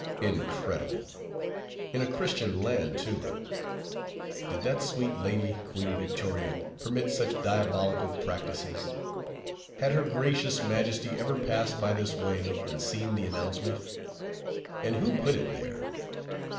Incredible! In a Christian land, too! Did that sweet lady, Queen Victoria, permit such diabolical practices? Had her gracious majesty ever passed by this way, and seen the announcement? And who put it there?